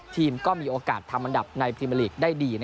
ทีมก็มีโอกาสทำอันดับในพรีเมอร์ลีกได้ดี